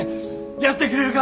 やってくれるか？